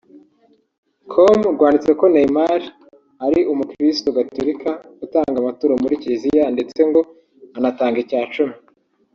com rwanditse ko Neymar ari Umukirisitu Gatulika utanga amaturo muri Kiliziya ndetse ngo anatanga icyacumi